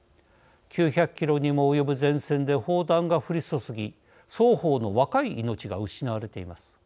９００キロにも及ぶ前線で砲弾が降り注ぎ双方の若い命が失われています。